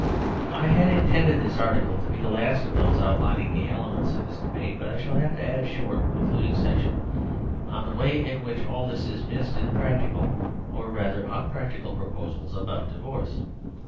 I had intended this article to be the last of those outlining the elements of this debate; but I shall have to add a short concluding section on the way in which all this is missed in the practical (or rather unpractical) pro posals about divorce.